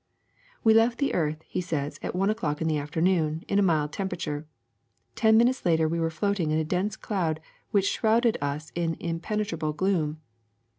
''' ^We left the earth,' he says, ^at one o'clock in the afternoon, in a mild temperature. Ten minutes later we were floating in a dense cloud which shrouded us in impenetrable gloom.